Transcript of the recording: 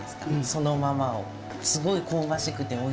そのままを。